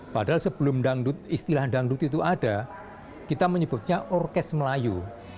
padahal sebelum dangdut istilah dangdut itu ada kita menyebutnya orkes melayu